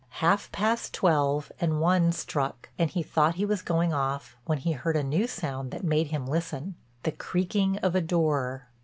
Half past twelve and one struck and he thought he was going off when he heard a new sound that made him listen—the creaking of a door.